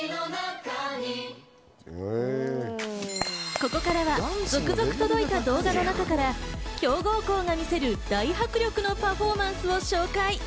ここからは続々と届いた動画の中から強豪校が見せる大迫力のパフォーマンスを紹介。